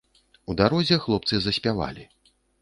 У дарозе хлопцы заспявалі.